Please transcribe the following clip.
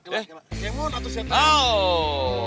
gemon atau setan